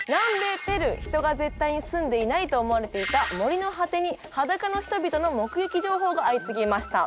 人が絶対に住んでいないと思われていた森の果てに裸の人々の目撃情報が相次ぎました。